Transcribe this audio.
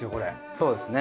そうですね。